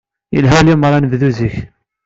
Yelha lemmer ad nebdu zik?